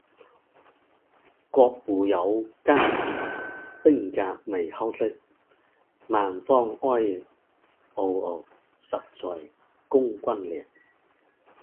国步犹艰难，兵革未休息。万方哀嗷嗷，十载供军食。